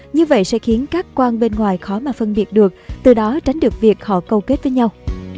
như vậy sẽ khiến các quan bên ngoài khó mà phân biệt được từ đó tránh được việc họ câu kết với nhau